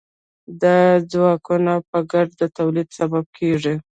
دا ځواکونه په ګډه د تولید سبب کیږي.